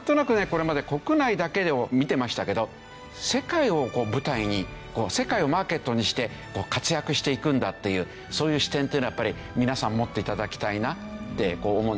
これまで国内だけで見てましたけど世界を舞台に世界をマーケットにして活躍していくんだっていうそういう視点っていうのはやっぱり皆さん持って頂きたいなってこう思うんですね。